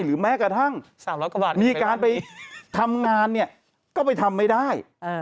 หรือแม้กระทั่งมีการไปทำงานก็ไปทำไม่ได้